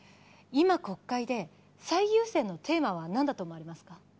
今国会で最優先のテーマはなんだと思われますか？